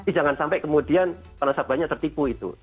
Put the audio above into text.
tapi jangan sampai kemudian nasabahnya tertipu itu